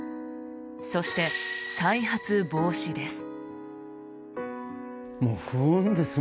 そして、再発防止です。